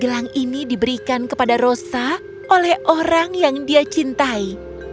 kilang ini diberikan kepada rosa oleh orang yang dia cintai